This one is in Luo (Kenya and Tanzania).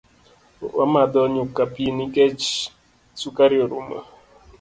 Wamadho nyuka pii nikech sukari orumo